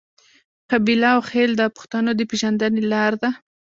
قبیله او خیل د پښتنو د پیژندنې لار ده.